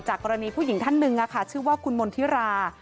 กรณีผู้หญิงท่านหนึ่งชื่อว่าคุณมณฑิรา